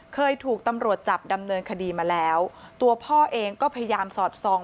เคยถูกตำรวจจับดำเนินคดีมาแล้วตัวพ่อเองก็พยายามสอดส่อง